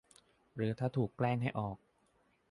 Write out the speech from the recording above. หรือถ้าถูกแกล้งให้ออก